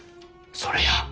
それや！